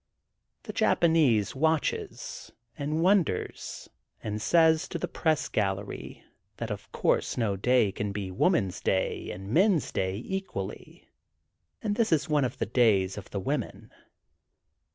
The Japanese watches and wonders and says to the press gallery that of course no day can be women's day and men's day equally, and this is one of the days of the women.